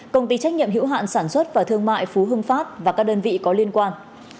công ty trách nhiệm hữu hạn sản xuất và thương mại phú hưng phát và các đơn vị có liên quan